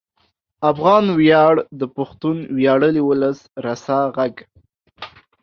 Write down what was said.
افغان ویاړ د پښتون ویاړلي ولس رسا غږ